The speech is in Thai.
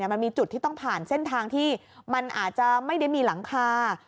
มันมีจุดที่ต้องผ่านเส้นทางที่มันอาจจะไม่ได้มีหลังคา